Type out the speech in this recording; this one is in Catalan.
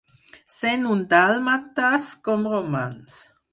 Cent un dàlmates, com romans.